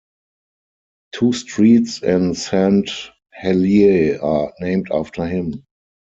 Two streets in Saint Helier are named after him.